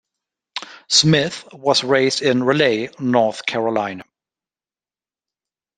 Smith was raised in Raleigh, North Carolina.